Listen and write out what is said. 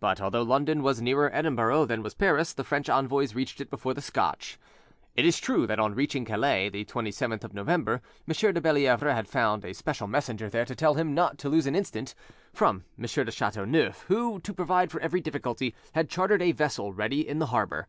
But although London was nearer Edinburgh than was Paris, the French envoys reached it before the Scotch. It is true that on reaching Calais, the 27th of November, M. de Bellievre had found a special messenger there to tell him not to lose an instant, from M. de Chateauneuf, who, to provide for every difficulty, had chartered a vessel ready in the harbour.